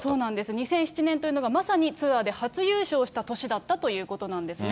２００７年というのがまさにツアーで初優勝した年だったということなんですね。